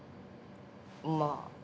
まあ。